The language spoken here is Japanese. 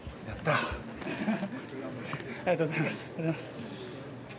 ありがとうございます。